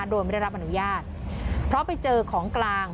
โดยไม่ได้รับอนุญาตเพราะไปเจอของกลาง